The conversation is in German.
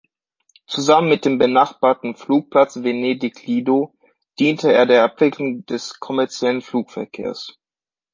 Zusammen mit dem benachbarten Flugplatz Venedig-Lido diente er der Abwicklung des kommerziellen Flugverkehrs.